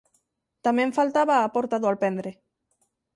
Tamén faltaba a porta do alpendre.